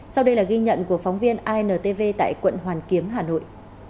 sau đây là ghi nhận của phóng viên intv tại quận hoàn kiếm hà nội